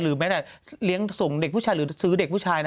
ลืมไหมโทษเลยแต่สูงเด็กผู้ชายหรือสือเด็กผู้ชายน่ะ